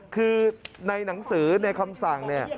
คือในหนังสือในคำสั่งเนี่ย